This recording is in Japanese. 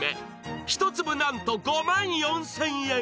１粒なんと５万４０００円